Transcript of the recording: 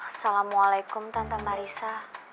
assalamualaikum tante marissa